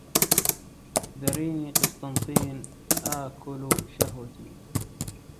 ذريني قسطنطين آكل شهوتي